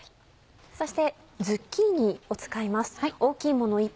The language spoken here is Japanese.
そしてズッキーニを使います。